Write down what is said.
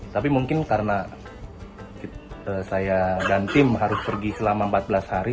tapi mungkin karena saya dan tim harus pergi selama empat belas hari